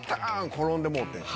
転んでもうて。